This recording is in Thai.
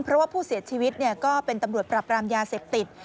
เพราะว่าผู้เสียชีวิตก็เป็นตำรวจปรับรามยาเสพติด